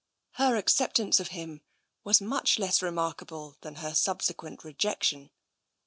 TENSION 163 Her acceptance of him was much less remarkable than her subsequent rejection.